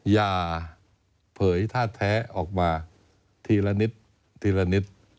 อย่าเผยท่าแท้ออกมาทีละนิดทีละนิด